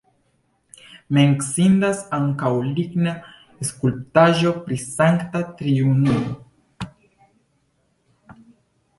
Menciindas ankaŭ ligna skulptaĵo pri Sankta Triunuo.